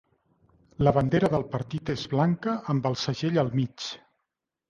La bandera del partit és blanca amb el segell al mig.